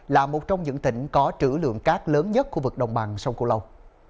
là một trong những tỉnh có trữ lượng cát lớn nhất khu vực đồng bằng sông cổ lâu